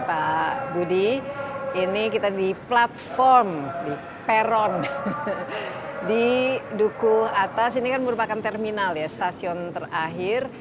pak budi ini kita di platform di peron di duku atas ini kan merupakan terminal ya stasiun terakhir